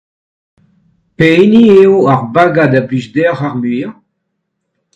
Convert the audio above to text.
Pehini eo ar bagad a blij deoc'h ar muiañ ?